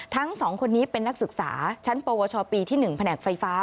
ทั้ง๒คนนี้เป็นนักศึกษาชั้นปวชปีที่๑แผนกไฟฟ้า